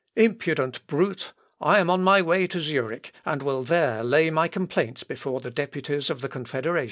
"Impudent brute! I am on my way to Zurich, and will there lay my complaint before the deputies of the Confederation."